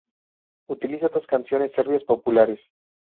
Utiliza dos canciones serbias populares.